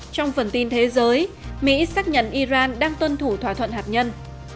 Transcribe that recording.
trong phần tin thế giới mỹ xác nhận iran đang tuân thủ thỏa thuận hạt nhân